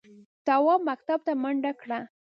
تواب مکتب ته منډه کړه.